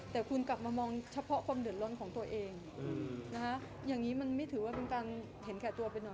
แต่คุณกลับมามองเฉพาะความเดือดร้อนของตัวเองนะคะอย่างนี้มันไม่ถือว่าเป็นการเห็นแก่ตัวไปหน่อย